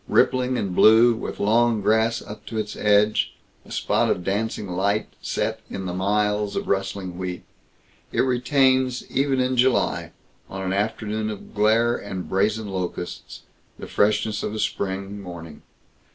Rippling and blue, with long grass up to its edge, a spot of dancing light set in the miles of rustling wheat, it retains even in July, on an afternoon of glare and brazen locusts, the freshness of a spring morning.